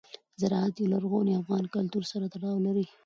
زراعت د لرغوني افغان کلتور سره تړاو لري.